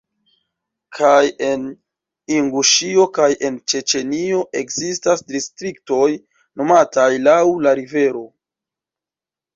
Kaj en Inguŝio kaj en Ĉeĉenio ekzistas distriktoj nomataj laŭ la rivero.